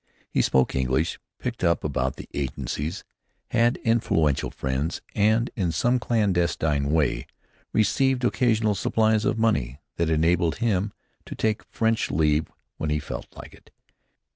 He spoke English picked up about the agencies; had influential friends and, in some clandestine way, received occasional supplies of money that enabled him to take French leave when he felt like it.